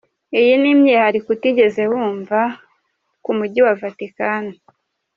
iyi ni imyihariko utigeze wumva ku mugi wa Vatican.